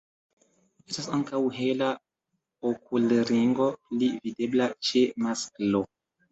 Estas ankaŭ hela okulringo, pli videbla ĉe masklo.